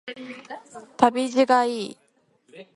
旅路がいい